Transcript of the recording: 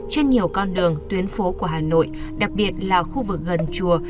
trên nhiều con đường tuyến phố của hà nội đặc biệt là khu vực gần chùa